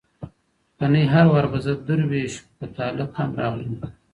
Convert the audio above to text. کنې هر وار به زه دروېش په تاله کم راغلمه